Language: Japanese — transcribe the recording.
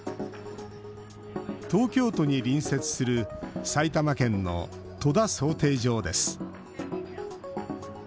東京都に隣接する埼玉県の戸田漕艇場です。